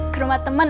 ke rumah teman